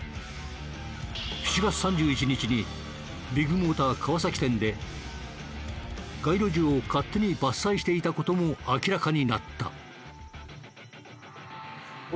７月３１日にビッグモーター川崎店で街路樹を勝手に伐採していた事も明らかになった。